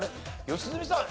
良純さん